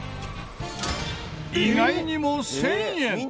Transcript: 意外にも１０００円。